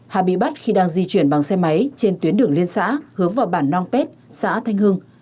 hà bị bắt khi đang di chuyển bằng xe máy trên tuyến đường liên xã hướng vào bản nong pet xã thanh hưng